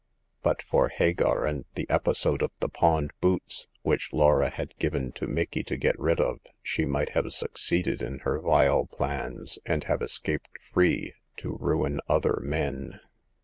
But for Hagar and the The Eighth Customer. 227 episode of the pawned boots, which Laura had given to Micky to get rid of, she might have suc ceeded in her vile plans, and have escaped free, to ruin other men.